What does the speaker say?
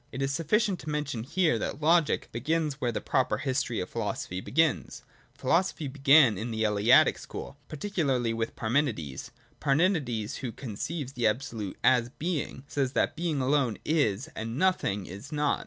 It is sufficient to mention here, that logi begins where the proper history of philosophy begins Philosophy began in the Eleatic school, especially with Par menides. Parmenides, who conceives the absolute as Being says that ' Being alone is and Nothing is not.'